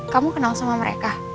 kamu kenal sama mereka